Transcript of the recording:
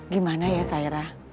gimana ya sairah